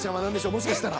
もしかしたら。